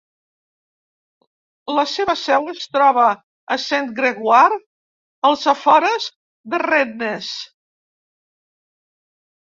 La seva seu es troba a Saint-Grégoire, als afores de Rennes.